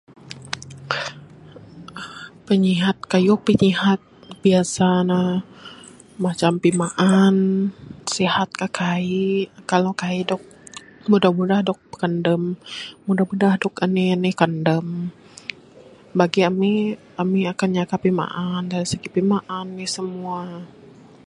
Pinyihat kayuh pinyihat biasa ne macam pimaan sihat ka kaik, kalau kaik dog mudah madah dog kandam mudah mudah dog anih anih kandam. Bagi ami Ami akan nyaga pimaan da segi pimaan anih semua